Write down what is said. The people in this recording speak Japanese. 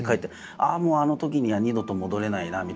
ああもうあのときには二度と戻れないなみたいな。